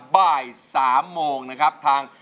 บ้าย๓โมง